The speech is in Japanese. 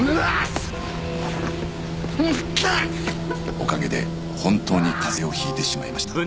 おかげで本当に風邪を引いてしまいました。